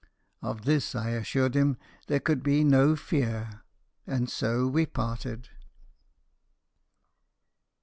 Of this I assured him there could be no fear; and so we parted.